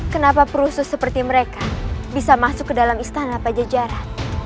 kenapa perusus seperti mereka bisa masuk ke dalam istana pajajaran